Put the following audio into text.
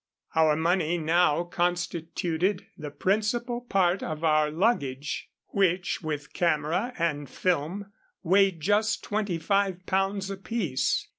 Our money now constituted the principal part of our luggage, 140 Across Asia on a Bicycle which, with camera and film, weighed just twenty five pounds apiece.